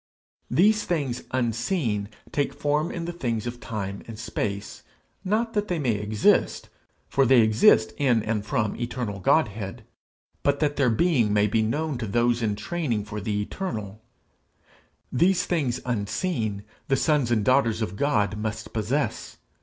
These things unseen take form in the things of time and space not that they may exist, for they exist in and from eternal Godhead, but that their being may be known to those in training for the eternal; these things unseen the sons and daughters of God must possess.